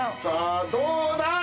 さぁどうだ？